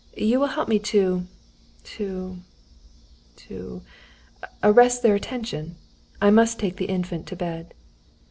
You will help me to to to arrest their attention. I must take the Infant to bed."